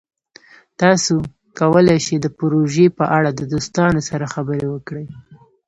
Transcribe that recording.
تاسو کولی شئ د پروژې په اړه د دوستانو سره خبرې وکړئ.